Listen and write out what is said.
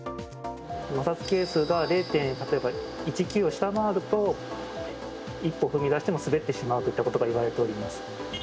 摩擦係数が、例えば０．１９を下回ると一歩踏み出しても滑ってしまうといったことが言われております。